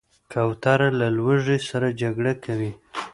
کوتره له لوږې سره جګړه کوي.